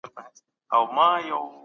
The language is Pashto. کله به نړیواله ټولنه واردات تایید کړي؟